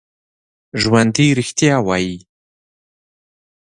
ژوندي رښتیا وايي